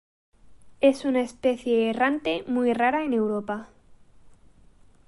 Es una especie errante muy rara en Europa.